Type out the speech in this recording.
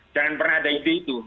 jangan pernah ada ide itu